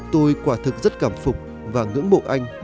tôi quả thực rất cảm phục và ngưỡng mộ anh